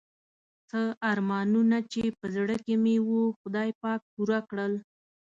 څه ارمانونه چې په زړه کې مې وو خدای پاک پوره کړل.